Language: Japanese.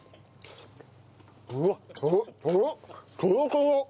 うわっトロットロトロ！